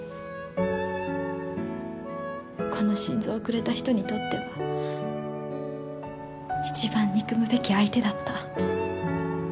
この心臓をくれた人にとっては一番憎むべき相手だった。